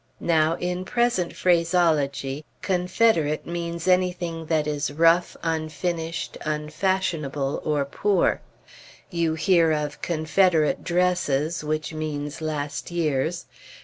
Now, in present phraseology, "Confederate" means anything that is rough, unfinished, unfashionable, or poor. You hear of Confederate dresses, which means last year's.